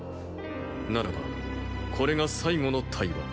ならばこれが最後の対話。